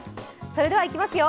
それではいきますよ。